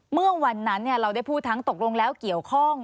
เมื่อวันนั้นเราได้พูดทั้งตกลงแล้วเกี่ยวข้อง